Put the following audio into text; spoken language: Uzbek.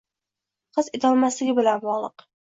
his etolmasligi bilan bog‘liq.